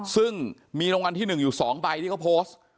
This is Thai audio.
ซึ่งมีรางวัลที่๑อยู่๒ใบที่เขาโพสต์